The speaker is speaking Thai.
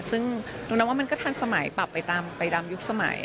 ซึ่งหนูนับว่ามันก็ทันสมัยปรับไปตามยุคสมัย